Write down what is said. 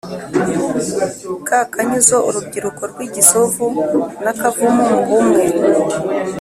k’akanyuzo… urubyiruko rw’i gisovu na kavumu mu bumwe.